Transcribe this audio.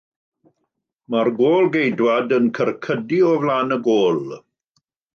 Mae'r gôl-geidwad yn cyrcydu o flaen y gôl.